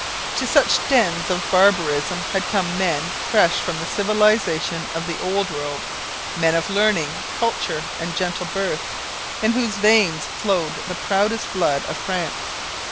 To such dens of barbarism had come men fresh from the civilization of the Old World men of learning, culture, and gentle birth, in whose veins flowed the proudest blood of France.